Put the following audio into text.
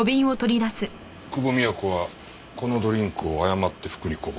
久保美也子はこのドリンクを誤って服にこぼした。